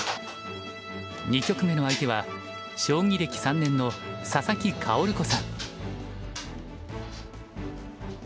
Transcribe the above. ２局目の相手は将棋歴３年の佐々木薫子さん。